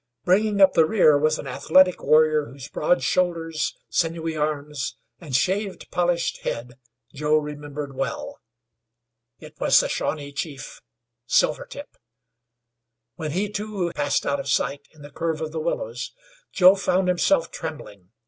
Bringing up the rear was an athletic warrior, whose broad shoulders, sinewy arms, and shaved, polished head Joe remembered well. It was the Shawnee chief, Silvertip. When he, too, passed out of sight in the curve of willows, Joe found himself trembling.